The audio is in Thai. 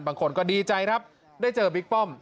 บางคนก็ดีใจครับได้เจอบิ๊กป้อม